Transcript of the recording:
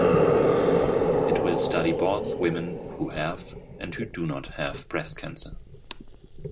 It will study both women who have and who do not have breast cancer.